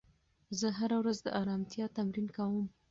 زه هره ورځ د ارامتیا تمرین کوم.